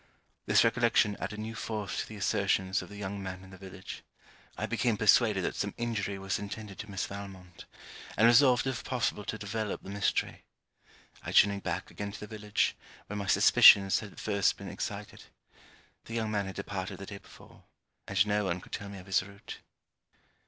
This recollection added new force to the assertions of the young man in the village. I became persuaded that some injury was intended to Miss Valmont; and resolved if possible to develop the mystery. I journeyed back again to the village, where my suspicions had first been excited. The young man had departed the day before; and no one could tell me of his route.